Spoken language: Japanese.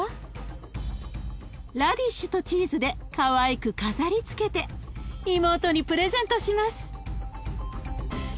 ラディッシュとチーズでかわいく飾りつけて妹にプレゼントします。